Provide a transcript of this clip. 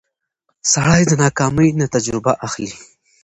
سړی د ناکامۍ نه تجربه اخلي